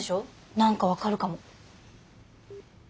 何か分かるかも。